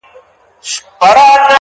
هغه به راسې; جارو کړې ده بیمار کوڅه _